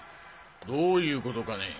どういうことかね？